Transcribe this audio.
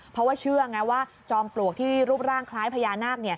เพราะว่าเชื่อไงว่าจอมปลวกที่รูปร่างคล้ายพญานาค